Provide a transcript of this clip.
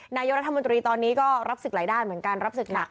นายกรัฐมนตรีตอนนี้ก็รับศึกหลายด้านเหมือนกันรับศึกหนัก